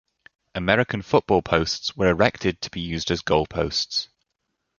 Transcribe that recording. American football posts were erected to be used as goal posts.